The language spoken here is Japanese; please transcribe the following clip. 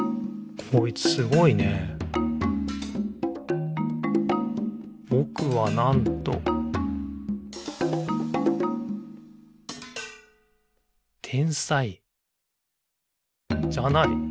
こいつすごいね「ぼくは、なんと・・」「天才」じゃない！？